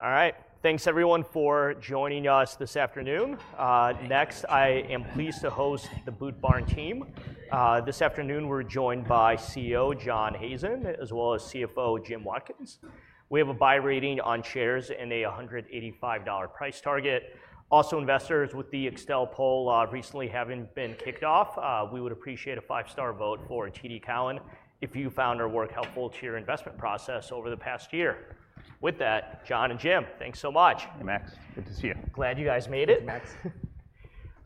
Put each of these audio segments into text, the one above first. All right. Thanks, everyone, for joining us this afternoon. Next, I am pleased to host the Boot Barn team. This afternoon, we're joined by CEO John Hazen, as well as CFO Jim Watkins. We have a buy rating on shares and a $185 price target. Also, investors with the Excel poll recently haven't been kicked off. We would appreciate a five-star vote for TD Cowen if you found our work helpful to your investment process over the past year. With that, John and Jim, thanks so much. Hey, Max. Good to see you. Glad you guys made it. Thanks,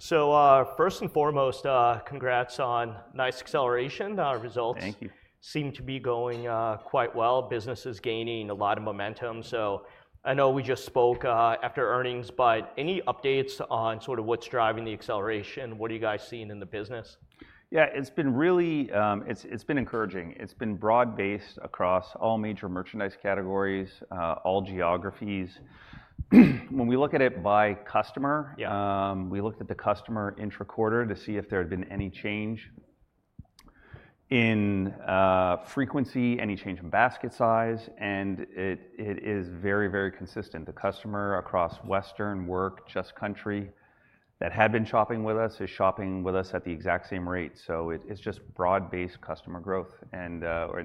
Max. First and foremost, congrats on nice acceleration. Our results seem to be going quite well. Business is gaining a lot of momentum. I know we just spoke after earnings, but any updates on sort of what's driving the acceleration? What are you guys seeing in the business? Yeah, it's been really encouraging. It's been broad-based across all major merchandise categories, all geographies. When we look at it by customer, we looked at the customer intra-quarter to see if there had been any change in frequency, any change in basket size, and it is very, very consistent. The customer across Western, work, just country that had been shopping with us is shopping with us at the exact same rate. It's just broad-based customer growth and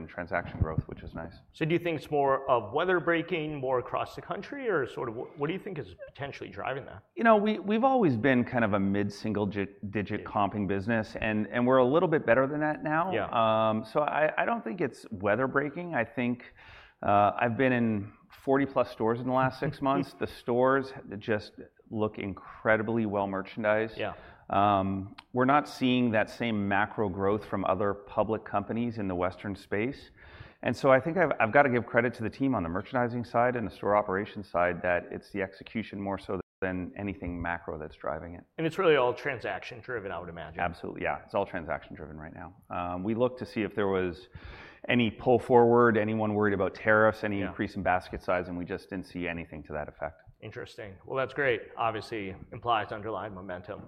transaction growth, which is nice. Do you think it's more of weather breaking, more across the country, or sort of what do you think is potentially driving that? You know, we've always been kind of a mid-single-digit comping business, and we're a little bit better than that now. I don't think it's weather breaking. I think I've been in 40+ stores in the last six months. The stores just look incredibly well merchandised. We're not seeing that same macro growth from other public companies in the Western space. I think I've got to give credit to the team on the merchandising side and the store operations side that it's the execution more so than anything macro that's driving it. It's really all transaction-driven, I would imagine. Absolutely. Yeah, it's all transaction-driven right now. We looked to see if there was any pull forward, anyone worried about tariffs, any increase in basket size, and we just didn't see anything to that effect. Interesting. That is great. Obviously, implies underlying momentum.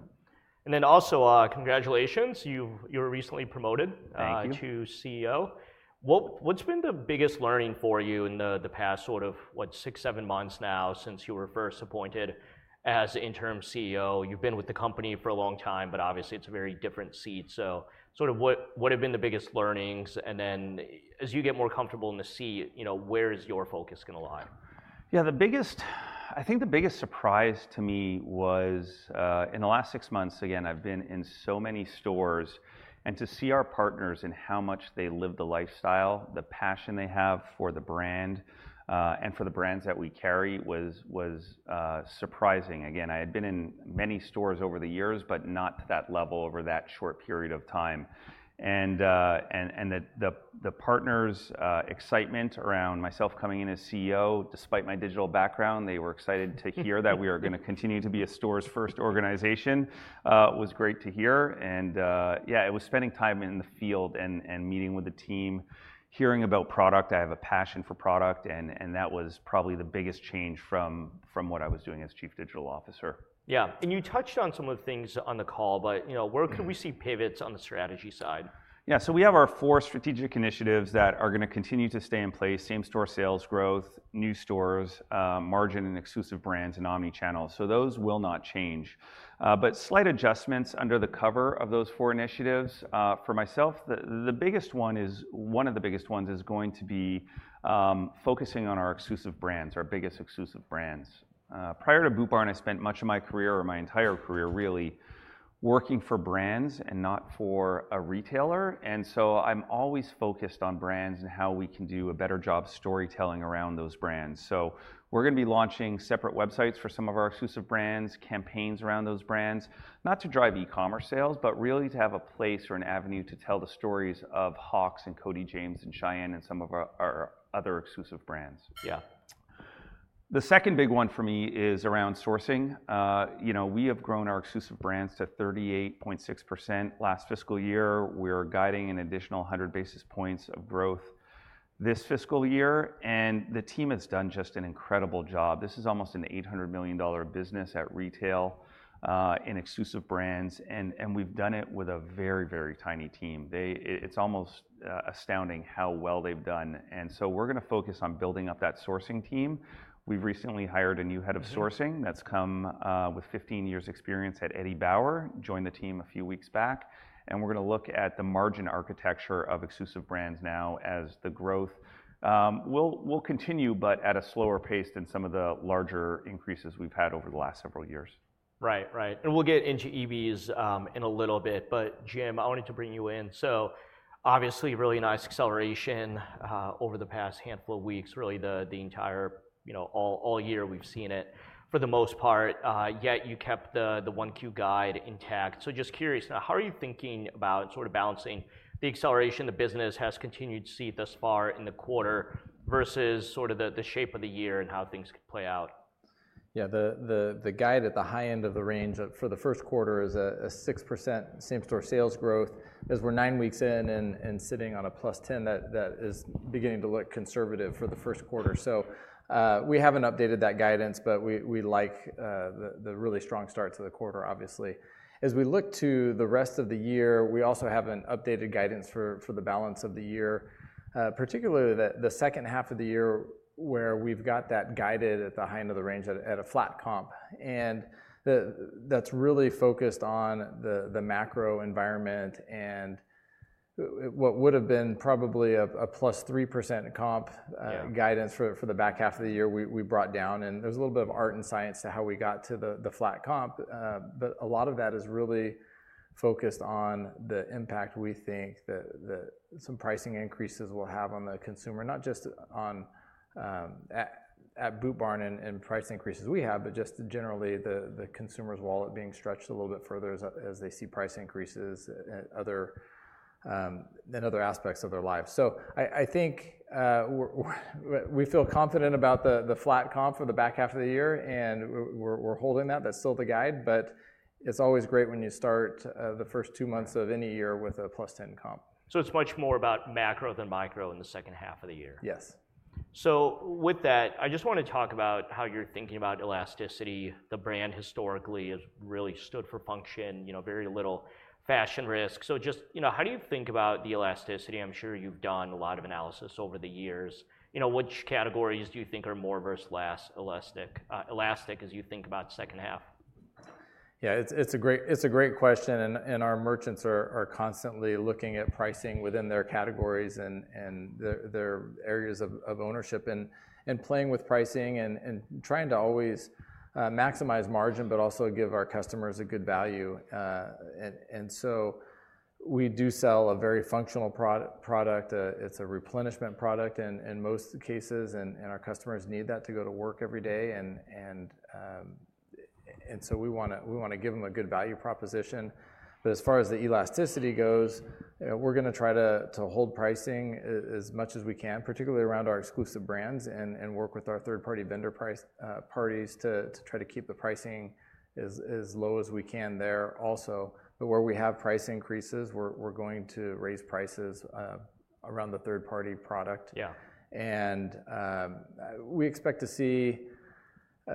Also, congratulations. You were recently promoted to CEO. What has been the biggest learning for you in the past, sort of what, six, seven months now since you were first appointed as interim CEO? You have been with the company for a long time, but obviously, it is a very different seat. Sort of what have been the biggest learnings? As you get more comfortable in the seat, where is your focus going to lie? Yeah, I think the biggest surprise to me was in the last six months, again, I've been in so many stores, and to see our partners and how much they live the lifestyle, the passion they have for the brand and for the brands that we carry was surprising. I had been in many stores over the years, but not to that level over that short period of time. The partners' excitement around myself coming in as CEO, despite my digital background, they were excited to hear that we are going to continue to be a stores-first organization. It was great to hear. Yeah, it was spending time in the field and meeting with the team, hearing about product. I have a passion for product, and that was probably the biggest change from what I was doing as Chief Digital Officer. Yeah. You touched on some of the things on the call, but where can we see pivots on the strategy side? Yeah. We have our four strategic initiatives that are going to continue to stay in place: same-store sales growth, new stores, margin and exclusive brands, and omnichannel. Those will not change. Slight adjustments under the cover of those four initiatives. For myself, the biggest one is, one of the biggest ones is going to be focusing on our exclusive brands, our biggest exclusive brands. Prior to Boot Barn, I spent much of my career, or my entire career really, working for brands and not for a retailer. I am always focused on brands and how we can do a better job storytelling around those brands. We're going to be launching separate websites for some of our exclusive brands, campaigns around those brands, not to drive e-commerce sales, but really to have a place or an avenue to tell the stories of Hawks and Cody James and Cheyenne and some of our other exclusive brands. Yeah. The second big one for me is around sourcing. We have grown our exclusive brands to 38.6% last fiscal year. We're guiding an additional 100 basis points of growth this fiscal year. The team has done just an incredible job. This is almost an $800 million business at retail in exclusive brands, and we've done it with a very, very tiny team. It's almost astounding how well they've done. We're going to focus on building up that sourcing team. We've recently hired a new head of sourcing that's come with 15 years' experience at Eddie Bauer, joined the team a few weeks back. We're going to look at the margin architecture of exclusive brands now as the growth will continue, but at a slower pace than some of the larger increases we've had over the last several years. Right, right. And we'll get into EBs in a little bit. Jim, I wanted to bring you in. Obviously, really nice acceleration over the past handful of weeks, really the entire all year we've seen it for the most part. Yet you kept the Q1 guide intact. Just curious, now, how are you thinking about sort of balancing the acceleration the business has continued to see thus far in the quarter versus sort of the shape of the year and how things could play out? Yeah. The guide at the high end of the range for the first quarter is a 6% same-store sales growth. As we're nine weeks in and sitting on a +10%, that is beginning to look conservative for the first quarter. We haven't updated that guidance, but we like the really strong start to the quarter, obviously. As we look to the rest of the year, we also have an updated guidance for the balance of the year, particularly the second half of the year where we've got that guided at the high end of the range at a flat comp. That's really focused on the macro environment and what would have been probably a +3% comp guidance for the back half of the year we brought down. There's a little bit of art and science to how we got to the flat comp. A lot of that is really focused on the impact we think that some pricing increases will have on the consumer, not just at Boot Barn and price increases we have, but just generally the consumer's wallet being stretched a little bit further as they see price increases in other aspects of their lives. I think we feel confident about the flat comp for the back half of the year, and we're holding that. That's still the guide. It's always great when you start the first two months of any year with a +10% comp. It's much more about macro than micro in the second half of the year. Yes. With that, I just want to talk about how you're thinking about elasticity. The brand historically has really stood for function, very little fashion risk. Just how do you think about the elasticity? I'm sure you've done a lot of analysis over the years. Which categories do you think are more versus less elastic as you think about the second half? Yeah, it's a great question. Our merchants are constantly looking at pricing within their categories and their areas of ownership and playing with pricing and trying to always maximize margin, but also give our customers a good value. We do sell a very functional product. It's a replenishment product in most cases, and our customers need that to go to work every day. We want to give them a good value proposition. As far as the elasticity goes, we're going to try to hold pricing as much as we can, particularly around our exclusive brands, and work with our third-party vendor parties to try to keep the pricing as low as we can there also. Where we have price increases, we're going to raise prices around the third-party product. We expect to see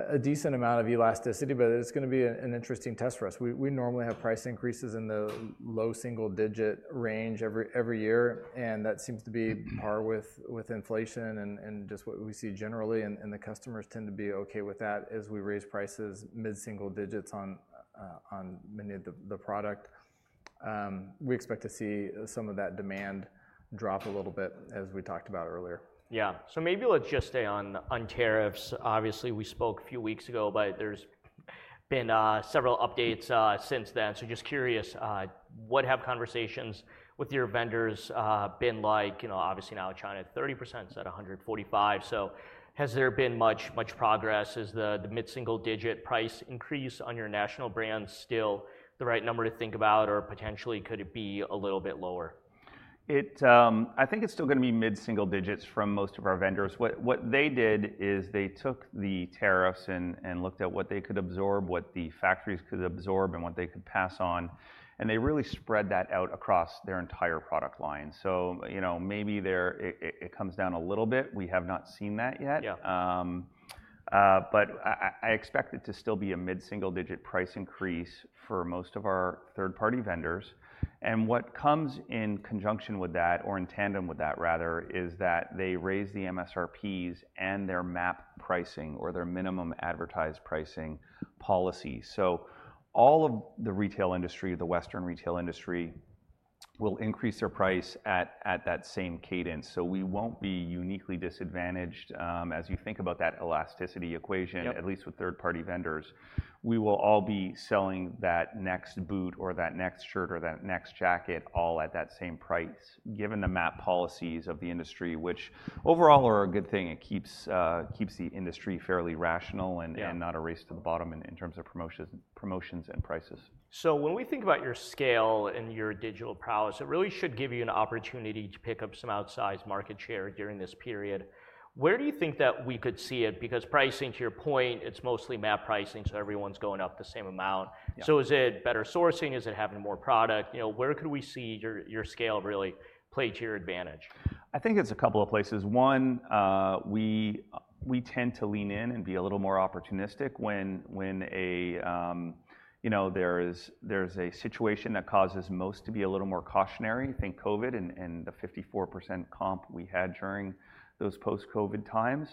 a decent amount of elasticity, but it's going to be an interesting test for us. We normally have price increases in the low single-digit range every year, and that seems to be par with inflation and just what we see generally. The customers tend to be okay with that as we raise prices mid-single digits on many of the product. We expect to see some of that demand drop a little bit, as we talked about earlier. Yeah. Maybe let's just stay on tariffs. Obviously, we spoke a few weeks ago, but there's been several updates since then. Just curious, what have conversations with your vendors been like? Obviously, now China at 30%, it's at 145. Has there been much progress? Is the mid-single-digit price increase on your national brand still the right number to think about, or potentially could it be a little bit lower? I think it's still going to be mid-single digits from most of our vendors. What they did is they took the tariffs and looked at what they could absorb, what the factories could absorb, and what they could pass on. They really spread that out across their entire product line. Maybe it comes down a little bit. We have not seen that yet. I expect it to still be a mid-single-digit price increase for most of our third-party vendors. What comes in conjunction with that, or in tandem with that, rather, is that they raise the MSRPs and their MAP pricing or their Minimum Advertised Pricing policy. All of the retail industry, the Western retail industry, will increase their price at that same cadence. We won't be uniquely disadvantaged as you think about that elasticity equation, at least with third-party vendors. We will all be selling that next boot or that next shirt or that next jacket all at that same price, given the MAP policies of the industry, which overall are a good thing. It keeps the industry fairly rational and not a race to the bottom in terms of promotions and prices. When we think about your scale and your digital prowess, it really should give you an opportunity to pick up some outsized market share during this period. Where do you think that we could see it? Because pricing, to your point, it's mostly MAP pricing, so everyone's going up the same amount. Is it better sourcing? Is it having more product? Where could we see your scale really play to your advantage? I think it's a couple of places. One, we tend to lean in and be a little more opportunistic when there's a situation that causes most to be a little more cautionary, think COVID and the 54% comp we had during those post-COVID times.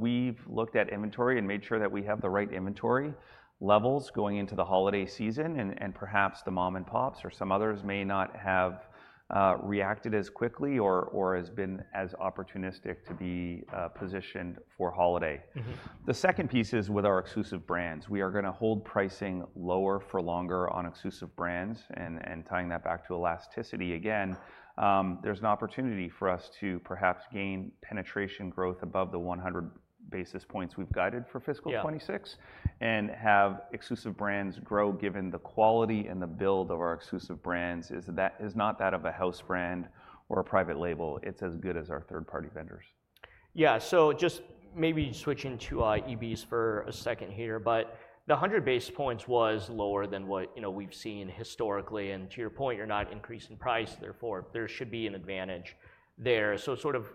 We have looked at inventory and made sure that we have the right inventory levels going into the holiday season, and perhaps the mom-and-pops or some others may not have reacted as quickly or have been as opportunistic to be positioned for holiday. The second piece is with our exclusive brands. We are going to hold pricing lower for longer on exclusive brands. Tying that back to elasticity again, there's an opportunity for us to perhaps gain penetration growth above the 100 basis points we've guided for fiscal 2026 and have exclusive brands grow given the quality and the build of our exclusive brands is not that of a house brand or a private label. It's as good as our third-party vendors. Yeah. Just maybe switching to EBs for a second here, but the 100 basis points was lower than what we've seen historically. To your point, you're not increasing price. Therefore, there should be an advantage there. Sort of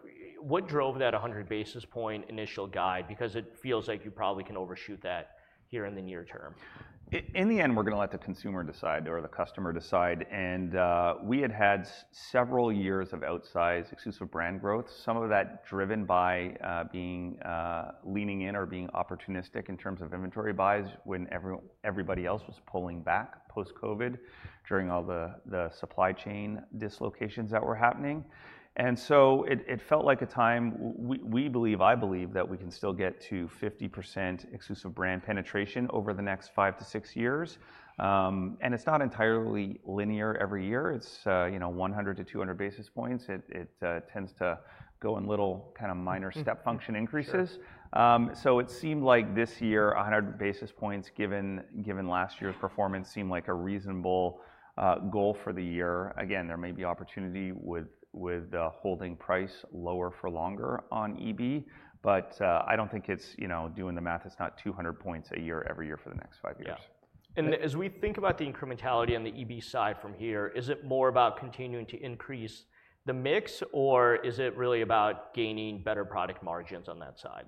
what drove that 100 basis point initial guide? It feels like you probably can overshoot that here in the near term. In the end, we're going to let the consumer decide or the customer decide. We had had several years of outsized exclusive brand growth, some of that driven by leaning in or being opportunistic in terms of inventory buys when everybody else was pulling back post-COVID during all the supply chain dislocations that were happening. It felt like a time we believe, I believe, that we can still get to 50% exclusive brand penetration over the next five to six years. It's not entirely linear every year. It's 100 basis points-200 basis points. It tends to go in little kind of minor step function increases. It seemed like this year, 100 basis points given last year's performance seemed like a reasonable goal for the year. Again, there may be opportunity with holding price lower for longer on EB, but I don't think it's doing the math. It's not 200 basis points a year every year for the next five years. Yeah. As we think about the incrementality on the EB side from here, is it more about continuing to increase the mix, or is it really about gaining better product margins on that side?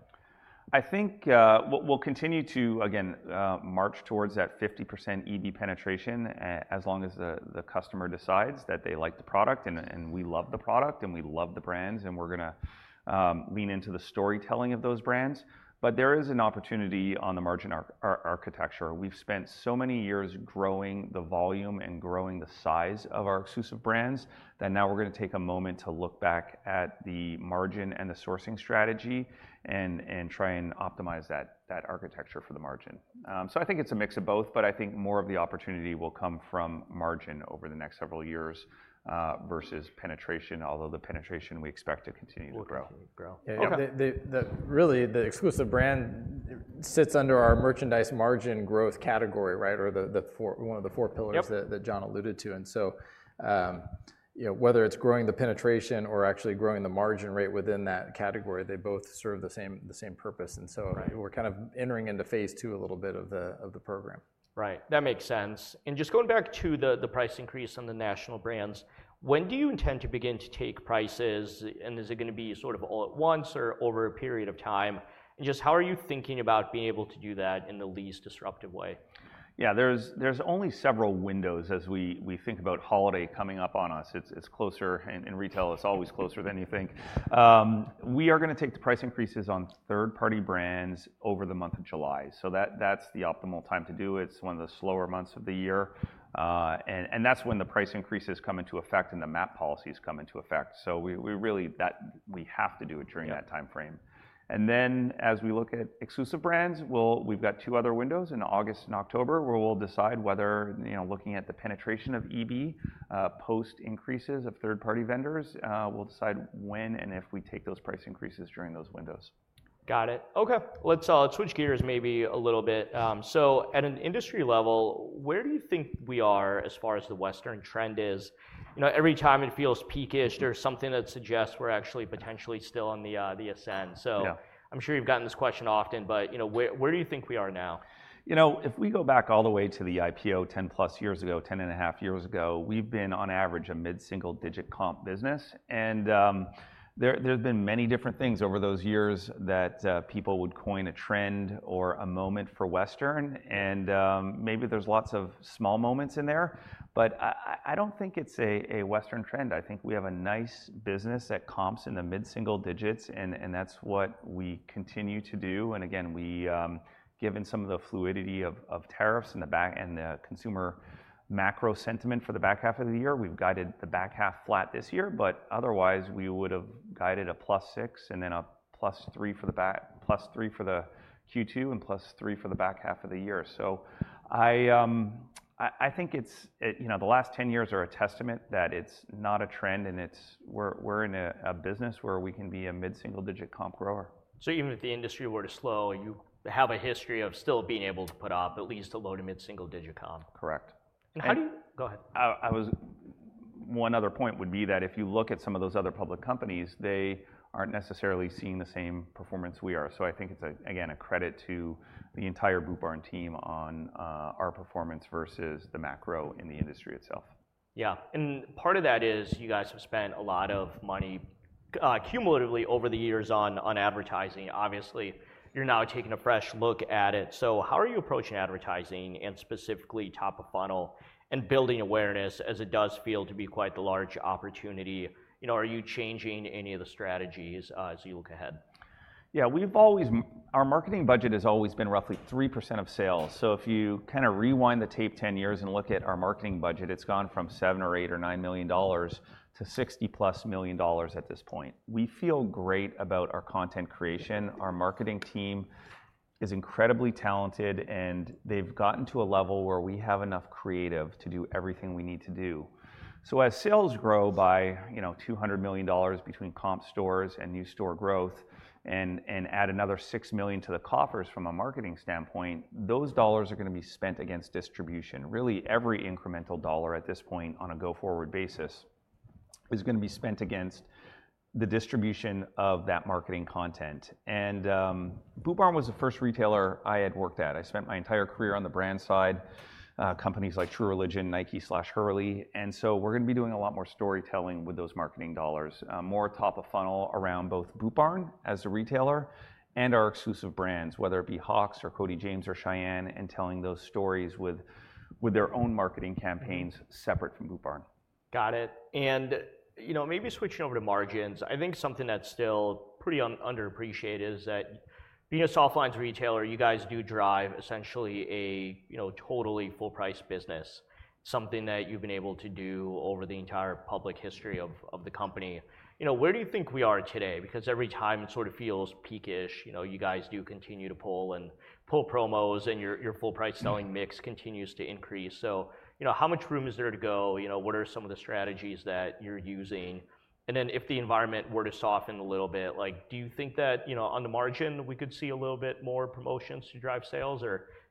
I think we'll continue to, again, march towards that 50% EB penetration as long as the customer decides that they like the product and we love the product and we love the brands, and we're going to lean into the storytelling of those brands. There is an opportunity on the margin architecture. We've spent so many years growing the volume and growing the size of our exclusive brands that now we're going to take a moment to look back at the margin and the sourcing strategy and try and optimize that architecture for the margin. I think it's a mix of both, but I think more of the opportunity will come from margin over the next several years versus penetration, although the penetration we expect to continue to grow. Really, the exclusive brand sits under our merchandise margin growth category, right, or one of the four pillars that John alluded to. Whether it's growing the penetration or actually growing the margin rate within that category, they both serve the same purpose. We're kind of entering into phase II a little bit of the program. Right. That makes sense. Just going back to the price increase on the national brands, when do you intend to begin to take prices? Is it going to be sort of all at once or over a period of time? How are you thinking about being able to do that in the least disruptive way? Yeah, there's only several windows as we think about holiday coming up on us. It's closer, and retail is always closer than you think. We are going to take the price increases on third-party brands over the month of July. That's the optimal time to do it. It's one of the slower months of the year. That's when the price increases come into effect and the MAP policies come into effect. We really, we have to do it during that timeframe. As we look at exclusive brands, we've got two other windows in August and October where we'll decide whether, looking at the penetration of EB post-increases of third-party vendors, we'll decide when and if we take those price increases during those windows. Got it. Okay. Let's switch gears maybe a little bit. At an industry level, where do you think we are as far as the Western trend is? Every time it feels peakish, there's something that suggests we're actually potentially still on the ascent. I'm sure you've gotten this question often, but where do you think we are now? You know. If we go back all the way to the IPO 10+ years ago, 10 and a half years ago, we've been on average a mid-single digit comp business. There have been many different things over those years that people would coin a trend or a moment for Western. Maybe there's lots of small moments in there, but I don't think it's a Western trend. I think we have a nice business that comps in the mid-single digits, and that's what we continue to do. Again, given some of the fluidity of tariffs and the consumer macro sentiment for the back half of the year, we've guided the back half flat this year. Otherwise, we would have guided a +6 and then a +3 for the Q2 and +3 for the back half of the year. I think the last 10 years are a testament that it's not a trend, and we're in a business where we can be a mid-single digit comp grower. Even if the industry were to slow, you have a history of still being able to put up at least a low to mid-single digit comp. Correct. How do you go ahead? One other point would be that if you look at some of those other public companies, they are not necessarily seeing the same performance we are. I think it is, again, a credit to the entire Boot Barn team on our performance versus the macro in the industry itself. Yeah. Part of that is you guys have spent a lot of money cumulatively over the years on advertising. Obviously, you're now taking a fresh look at it. How are you approaching advertising and specifically top of funnel and building awareness as it does feel to be quite the large opportunity? Are you changing any of the strategies as you look ahead? Yeah, our marketing budget has always been roughly 3% of sales. If you kind of rewind the tape 10 years and look at our marketing budget, it has gone from $7 million or $8 million or $9 million-$60+ million at this point. We feel great about our content creation. Our marketing team is incredibly talented, and they have gotten to a level where we have enough creative to do everything we need to do. As sales grow by $200 million between comp stores and new store growth and add another $6 million to the coffers from a marketing standpoint, those dollars are going to be spent against distribution. Really, every incremental dollar at this point on a go-forward basis is going to be spent against the distribution of that marketing content. Boot Barn was the first retailer I had worked at. I spent my entire career on the brand side, companies like True Religion, Nike, Hurley. We're going to be doing a lot more storytelling with those marketing dollars, more top of funnel around both Boot Barn as a retailer and our exclusive brands, whether it be Hawks or Cody James or Cheyenne, and telling those stories with their own marketing campaigns separate from Boot Barn. Got it. Maybe switching over to margins, I think something that's still pretty underappreciated is that being a soft lines retailer, you guys do drive essentially a totally full-price business, something that you've been able to do over the entire public history of the company. Where do you think we are today? Because every time it sort of feels peakish, you guys do continue to pull and pull promos, and your full-price selling mix continues to increase. How much room is there to go? What are some of the strategies that you're using? If the environment were to soften a little bit, do you think that on the margin, we could see a little bit more promotions to drive sales?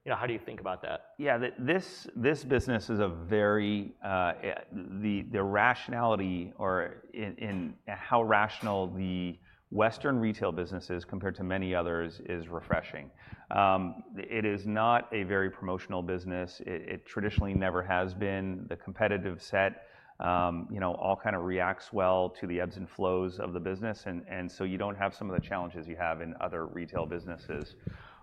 How do you think about that? Yeah, this business is a very, the rationality or how rational the Western retail business is compared to many others is refreshing. It is not a very promotional business. It traditionally never has been. The competitive set all kind of reacts well to the ebbs and flows of the business. You do not have some of the challenges you have in other retail businesses.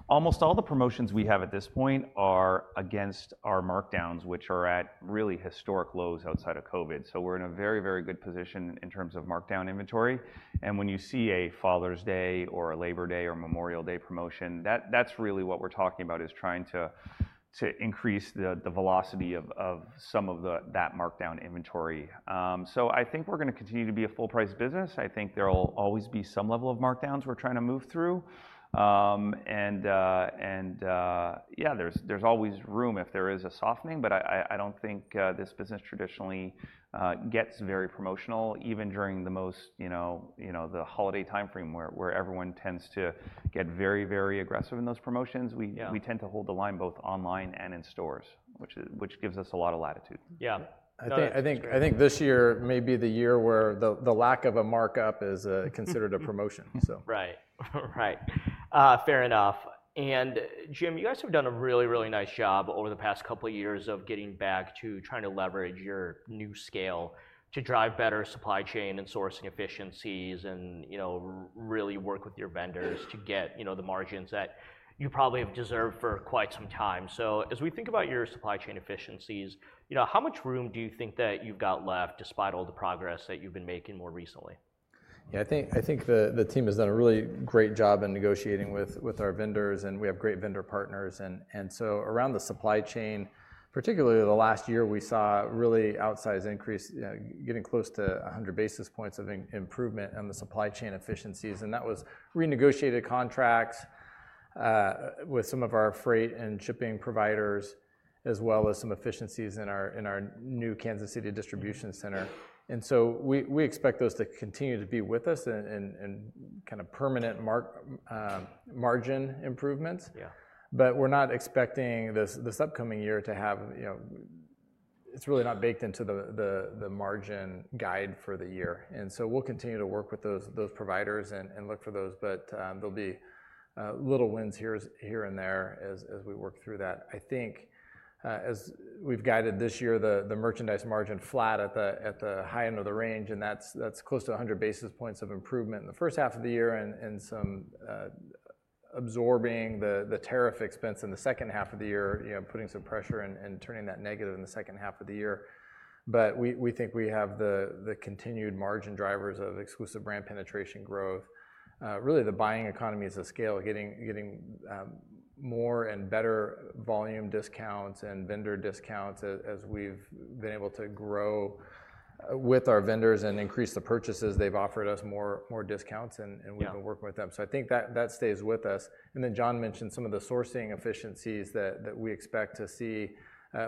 Almost all the promotions we have at this point are against our markdowns, which are at really historic lows outside of COVID. We are in a very, very good position in terms of markdown inventory. When you see a Father's Day or a Labor Day or Memorial Day promotion, that is really what we are talking about, is trying to increase the velocity of some of that markdown inventory. I think we are going to continue to be a full-price business. I think there will always be some level of markdowns we're trying to move through. Yeah, there's always room if there is a softening, but I don't think this business traditionally gets very promotional, even during the most, the holiday timeframe where everyone tends to get very, very aggressive in those promotions. We tend to hold the line both online and in stores, which gives us a lot of latitude. Yeah. I think this year may be the year where the lack of a markup is considered a promotion, so. Right. Right. Fair enough. Jim, you guys have done a really, really nice job over the past couple of years of getting back to trying to leverage your new scale to drive better supply chain and sourcing efficiencies and really work with your vendors to get the margins that you probably have deserved for quite some time. As we think about your supply chain efficiencies, how much room do you think that you've got left despite all the progress that you've been making more recently? Yeah, I think the team has done a really great job in negotiating with our vendors, and we have great vendor partners. Around the supply chain, particularly the last year, we saw really outsized increase, getting close to 100 basis points of improvement on the supply chain efficiencies. That was renegotiated contracts with some of our freight and shipping providers, as well as some efficiencies in our new Kansas City distribution center. We expect those to continue to be with us and kind of permanent margin improvements. We're not expecting this upcoming year to have, it's really not baked into the margin guide for the year. We'll continue to work with those providers and look for those, but there'll be little wins here and there as we work through that. I think as we've guided this year, the merchandise margin flat at the high end of the range, and that's close to 100 basis points of improvement in the first half of the year and some absorbing the tariff expense in the second half of the year, putting some pressure and turning that negative in the second half of the year. We think we have the continued margin drivers of exclusive brand penetration growth. Really, the buying economy is a scale, getting more and better volume discounts and vendor discounts as we've been able to grow with our vendors and increase the purchases. They've offered us more discounts, and we've been working with them. I think that stays with us. John mentioned some of the sourcing efficiencies that we expect to see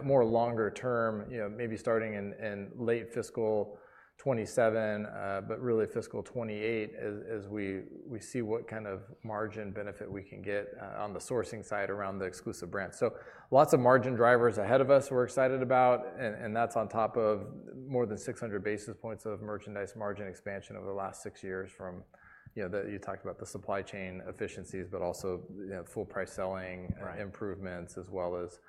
more longer-term, maybe starting in late fiscal 2027, but really fiscal 2028, as we see what kind of margin benefit we can get on the sourcing side around the exclusive brand. Lots of margin drivers ahead of us we are excited about, and that is on top of more than 600 basis points of merchandise margin expansion over the last six years from that. You talked about the supply chain efficiencies, but also full-price selling improvements as well as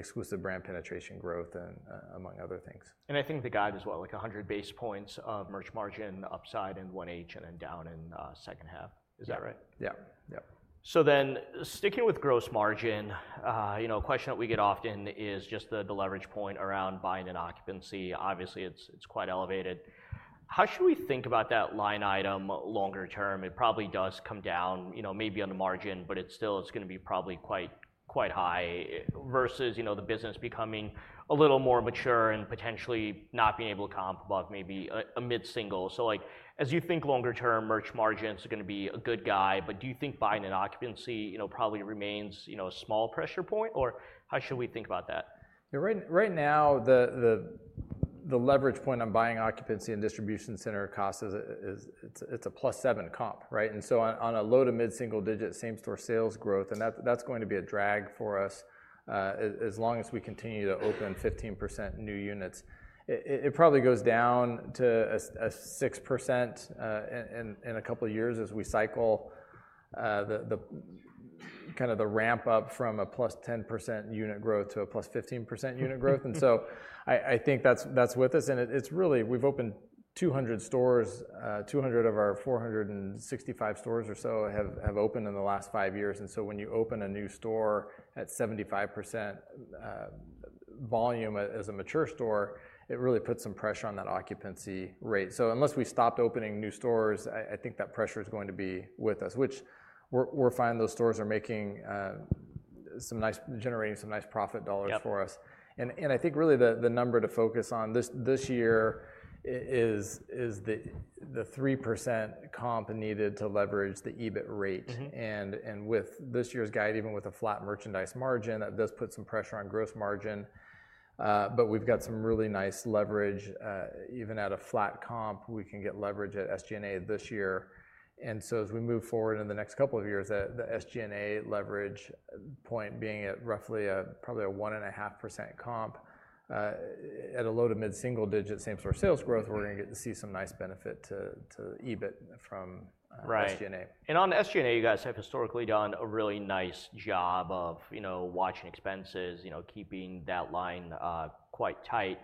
exclusive brand penetration growth and among other things. I think the guide as well, like 100 basis points of merch margin upside in 1H and then down in the second half. Is that right? Yeah. Yeah. Then sticking with gross margin, a question that we get often is just the leverage point around buying and occupancy. Obviously, it is quite elevated. How should we think about that line item longer term? It probably does come down maybe on the margin, but it is still going to be probably quite high versus the business becoming a little more mature and potentially not being able to comp above maybe a mid-single. As you think longer-term, merch margin is going to be a good guy, but do you think buying and occupancy probably remains a small pressure point? Or how should we think about that? Right now, the leverage point on buying occupancy and distribution center costs, it's a +7% comp, right? On a low to mid-single digit same-store sales growth, that's going to be a drag for us as long as we continue to open 15% new units. It probably goes down to a 6% in a couple of years as we cycle kind of the ramp up from a +10% unit growth to a +15% unit growth. I think that's with us. It's really, we've opened 200 stores. 200 of our 465 stores or so have opened in the last five years. When you open a new store at 75% volume as a mature store, it really puts some pressure on that occupancy rate. Unless we stopped opening new stores, I think that pressure is going to be with us, which we're finding those stores are making some nice, generating some nice profit dollars for us. I think really the number to focus on this year is the 3% comp needed to leverage the EBIT rate. With this year's guide, even with a flat merchandise margin, that does put some pressure on gross margin. We've got some really nice leverage. Even at a flat comp, we can get leverage at SG&A this year. As we move forward in the next couple of years, the SG&A leverage point being at roughly a probably a 1.5% comp at a low to mid-single digit same-store sales growth, we're going to get to see some nice benefit to EBIT from SG&A. On SG&A, you guys have historically done a really nice job of watching expenses, keeping that line quite tight.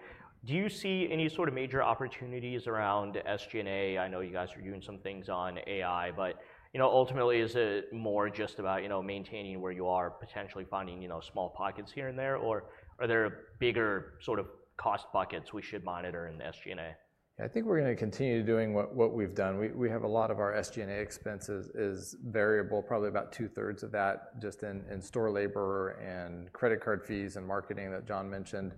Do you see any sort of major opportunities around SG&A? I know you guys are doing some things on AI, but ultimately, is it more just about maintaining where you are, potentially finding small pockets here and there? Or are there bigger sort of cost buckets we should monitor in SG&A? I think we're going to continue doing what we've done. We have a lot of our SG&A expenses is variable, probably about two-thirds of that just in store labor and credit card fees and marketing that John mentioned.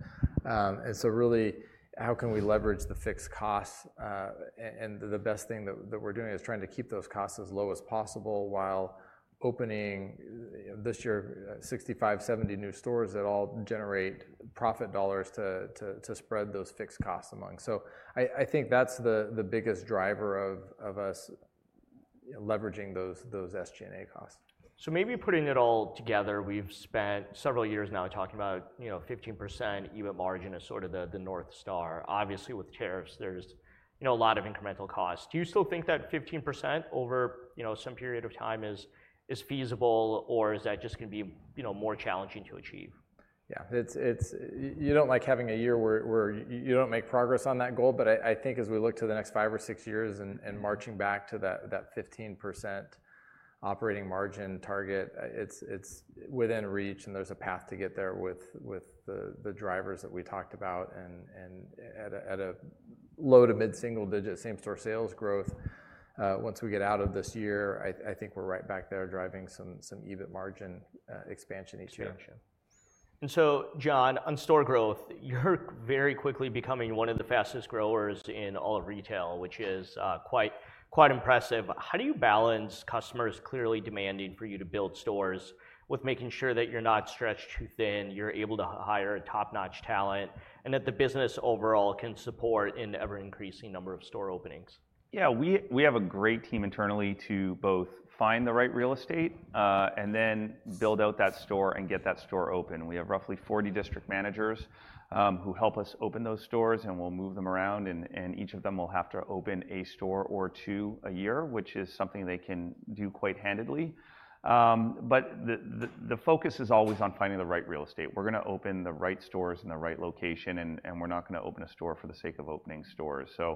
Really, how can we leverage the fixed costs? The best thing that we're doing is trying to keep those costs as low as possible while opening this year 65-70 new stores that all generate profit dollars to spread those fixed costs among. I think that's the biggest driver of us leveraging those SG&A costs. Maybe putting it all together, we've spent several years now talking about 15% EBIT margin is sort of the North Star. Obviously, with tariffs, there's a lot of incremental costs. Do you still think that 15% over some period of time is feasible, or is that just going to be more challenging to achieve? Yeah. You do not like having a year where you do not make progress on that goal. I think as we look to the next five or six years and marching back to that 15% operating margin target, it is within reach, and there is a path to get there with the drivers that we talked about. At a low to mid-single digit same-store sales growth, once we get out of this year, I think we are right back there driving some EBIT margin expansion each year. John, on store growth, you're very quickly becoming one of the fastest growers in all of retail, which is quite impressive. How do you balance customers clearly demanding for you to build stores with making sure that you're not stretched too thin, you're able to hire top-notch talent, and that the business overall can support an ever-increasing number of store openings? Yeah, we have a great team internally to both find the right real estate and then build out that store and get that store open. We have roughly 40 district managers who help us open those stores, and we'll move them around, and each of them will have to open a store or two a year, which is something they can do quite handedly. The focus is always on finding the right real estate. We're going to open the right stores in the right location, and we're not going to open a store for the sake of opening stores. There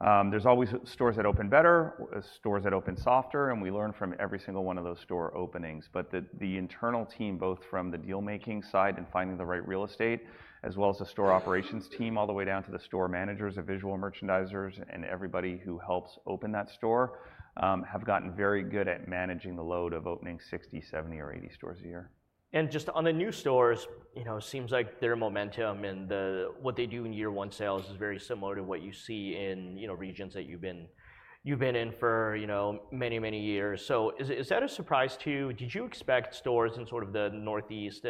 are always stores that open better, stores that open softer, and we learn from every single one of those store openings. The internal team, both from the dealmaking side and finding the right real estate, as well as the store operations team all the way down to the store managers, the visual merchandisers, and everybody who helps open that store, have gotten very good at managing the load of opening 60, 70, or 80 stores a year. Just on the new stores, it seems like their momentum and what they do in year one sales is very similar to what you see in regions that you've been in for many, many years. Is that a surprise to you? Did you expect stores in sort of the Northeast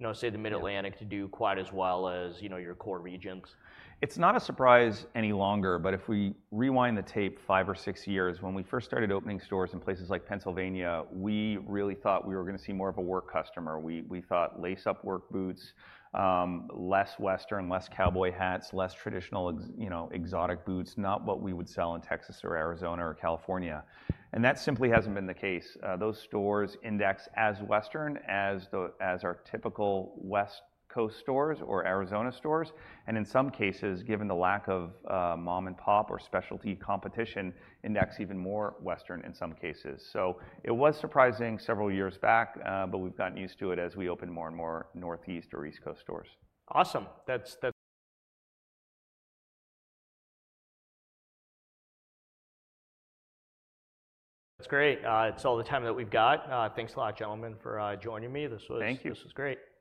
and, say, the Mid-Atlantic to do quite as well as your core regions? It's not a surprise any longer, but if we rewind the tape five or six years, when we first started opening stores in places like Pennsylvania, we really thought we were going to see more of a work customer. We thought lace-up work boots, less Western, less cowboy hats, less traditional exotic boots, not what we would sell in Texas or Arizona or California. That simply hasn't been the case. Those stores index as Western as our typical West Coast stores or Arizona stores. In some cases, given the lack of mom-and-pop or specialty competition, index even more Western in some cases. It was surprising several years back, but we've gotten used to it as we open more and more Northeast or East Coast stores. Awesome. That's great. It's all the time that we've got. Thanks a lot, gentlemen, for joining me. This was great. Thank you.